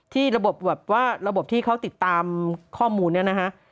ที่ระบบที่เขาติดตามข้อมูลนี้นะฮะ